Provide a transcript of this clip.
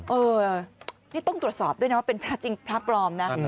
เออนี่ต้องตรวจสอบด้วยนะว่าเป็นพระจริงพระปลอมนะ